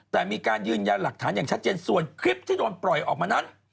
แต่มีการยืนยันหลักฐานอย่างชัดเจนส่วนคลิปที่โดนปล่อยออกมานั้น